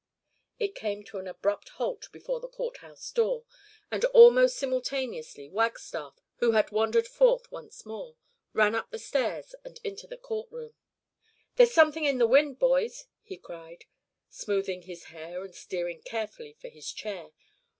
It came to an abrupt halt before the Court house door, and almost simultaneously Wagstaff, who had wandered forth once more, ran up the stairs and into the court room. "There's something in the wind, boys," he cried, smoothing his hair and steering carefully for his chair.